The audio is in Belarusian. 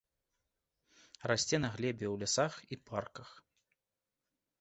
Расце на глебе ў лясах і парках.